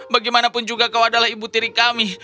bagaimanapun juga kau adalah ibu tiri kami